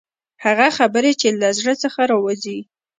هغه خبرې چې له زړه څخه راوځي.